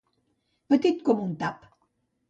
Petit com un tap.